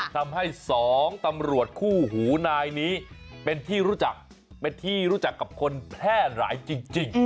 ทำให้สองตำรวจคู่หูนายนี้เป็นที่รู้จักเป็นที่รู้จักกับคนแพร่หลายจริง